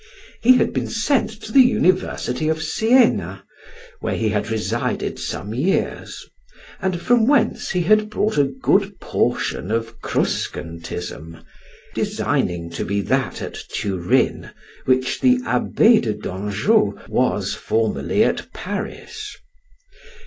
He had been sent to the university of Sienna, where he had resided some years, and from whence he had brought a good portion of cruscantism, designing to be that at Turin which the Abbe de Dangeau was formerly at Paris.